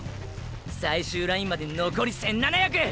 最終ラインまでのこり１７００！！